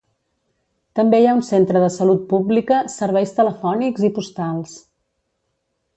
També hi ha un centre de salut pública, serveis telefònics i postals.